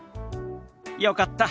よかった。